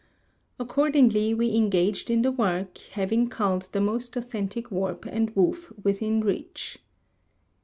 Accordingly we engaged in the work, having culled the most authentic warp and woof within reach.